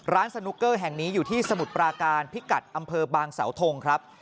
สนุกเกอร์แห่งนี้อยู่ที่สมุทรปราการพิกัดอำเภอบางสาวทงครับ